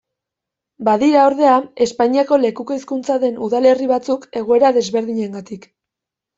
Badira, ordea, espainiera lekuko hizkuntza den udalerri batzuk, egoera desberdinengatik.